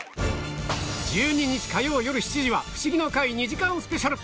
１２日火曜よる７時は『フシギの会』２時間スペシャル